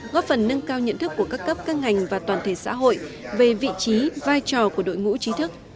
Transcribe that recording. góp phần nâng cao nhận thức của các cấp các ngành và toàn thể xã hội về vị trí vai trò của đội ngũ trí thức